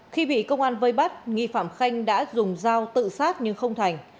khi bị công an vây bắt nghi phạm khanh đã dùng dao tự sát nhưng không thành